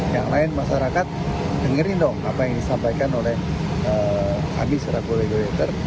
yang lain masyarakat dengerin dong apa yang disampaikan oleh kami secara collagurator